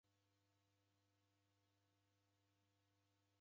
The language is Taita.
W'eiw'ilwa mbuw'a .